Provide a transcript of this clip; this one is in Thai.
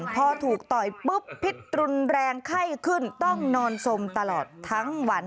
พอถูกต่อยปุ๊บพิษรุนแรงไข้ขึ้นต้องนอนสมตลอดทั้งวัน